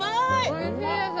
おいしいです。